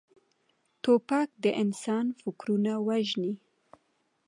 توپک د انسان فکرونه وژني.